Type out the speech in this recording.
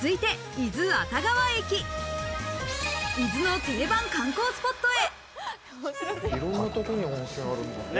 伊豆の定番観光スポットへ。